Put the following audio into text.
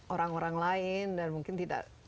orang orang lain dan mungkin tidak